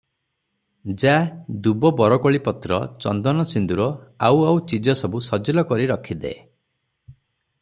ଯା, ଦୂବ ବରକୋଳିପତ୍ର ଚନ୍ଦନ ସିନ୍ଦୂର ଆଉ ଆଉ ଚିଜ ସବୁ ସଜିଲ କରି ରଖି ଦେ ।